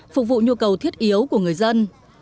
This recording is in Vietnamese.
phục vụ nhu cầu thiết yếu của người dân